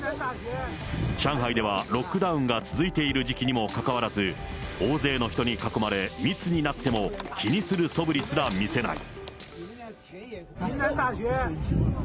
上海ではロックダウンが続いている時期にもかかわらず、大勢の人に囲まれ、密になっても気にするそぶりすら見せない。